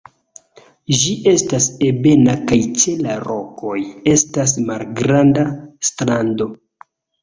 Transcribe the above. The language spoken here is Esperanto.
Ĝi estas ebena kaj ĉe la rokoj estas malgranda strando.